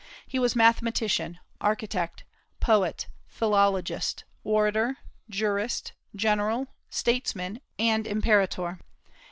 He was mathematician, architect, poet, philologist, orator, jurist, general, statesman, and imperator.